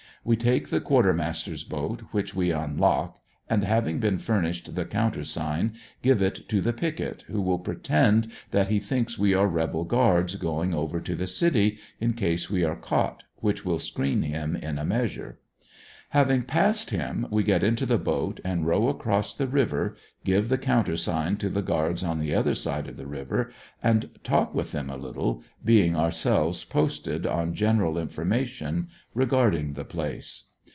We take the quarter master's boat, which we unlock, and having been furnished the countersign give it to the picket who will pretend that he thinks we are rebel guards going over to the city, in case we are caught, which will screen him in a measure. Having passed him, we get into the boat and row across the river, give the countersign to the guards on the other side of the river, and talk with them a little, being ourselves posted on general information regarding the place.